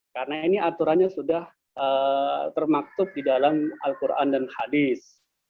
karena ini aturannya sudah termaktub di dalam al qur'an dan hadis